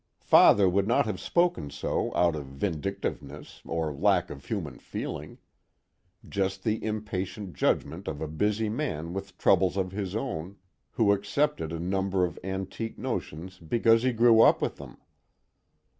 Father would not have spoken so out of vindictiveness or lack of human feeling: just the impatient judgment of a busy man with troubles of his own, who accepted a number of antique notions because he grew up with them.